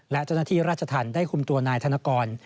และเจ้าหน้าที่ราชธรรมได้คุมตัวนายธนกร